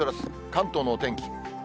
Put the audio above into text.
関東のお天気。